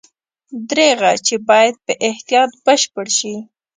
دریغه چې باید په احتیاط بشپړ شي.